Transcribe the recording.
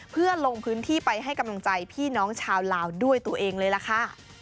เพื่อลงพื้นที่ไปให้กำลังใจพี่น้องชาวลาวด้วยตัวเองเลยล่ะค่ะ